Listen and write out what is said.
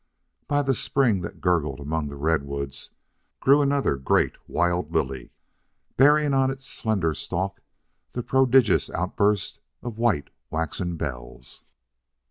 By the spring that gurgled among the redwoods grew another great wild lily, bearing on its slender stalk the prodigious outburst of white waxen bells.